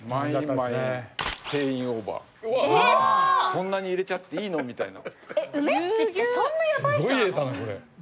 そんなに入れちゃっていいの？みたいな。